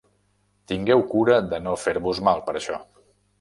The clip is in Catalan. Tingueu cura de no fer-vos mal per això.